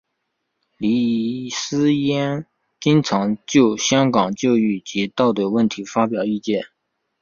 李偲嫣经常就香港教育及道德问题发表意见。